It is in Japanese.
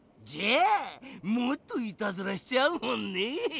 じゃあもっといたずらしちゃうもんねぇ！